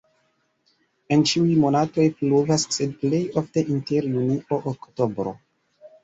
En ĉiuj monatoj pluvas, sed plej ofte inter junio-oktobro.